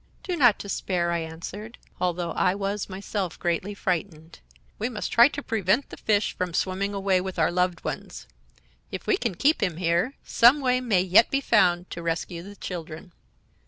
"'Do not despair,' I answered, although I was myself greatly frightened; 'we must try to prevent the fish from swimming away with our loved ones. If we can keep him here, some way may yet be found to rescue the children.'